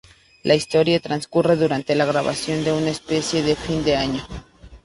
La historia transcurre durante la grabación de un especial de fin de año.